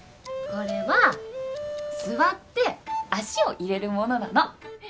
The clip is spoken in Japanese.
これは座って足を入れるものなの。